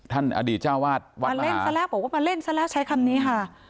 อดีตเจ้าวาดวัดมาเล่นซะแล้วบอกว่ามาเล่นซะแล้วใช้คำนี้ค่ะ